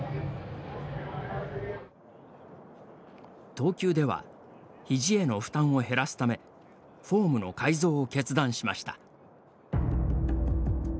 投球では肘への負担を減らすためフォームの改造を決断しました。